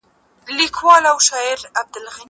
وخت ونیسه!؟